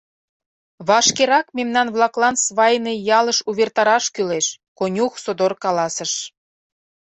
— Вашкерак мемнан-влаклан свайный ялыш увертараш кӱлеш, — конюх содор каласыш.